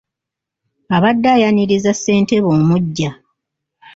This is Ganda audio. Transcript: Abadde ayaniriza ssentebe omuggya.